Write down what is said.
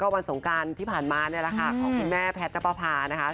วันสงการที่ผ่านมาของพี่แม่แพทย์ณปภาพค่ะ